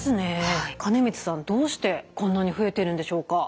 金光さんどうしてこんなに増えてるんでしょうか？